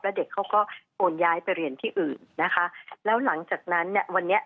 แล้วเด็กเขาก็โอนย้ายไปเรียนที่อื่นนะคะแล้วหลังจากนั้นเนี่ยวันนี้